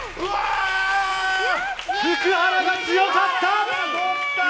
福原が強かった！